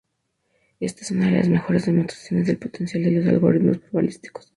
Esta es una de las mejores demostraciones del potencial de los algoritmos probabilísticos.